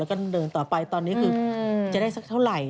แล้วก็เดินต่อไปตอนนี้คือจะได้สักเท่าไหร่